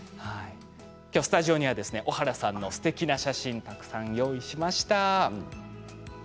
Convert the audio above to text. きょうスタジオには、小原さんのすてきな写真をたくさん用意しました。